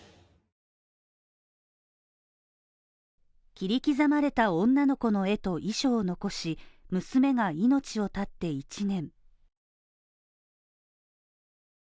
切り刻まれた女の子の絵と遺書を残し、娘が命を絶って１年。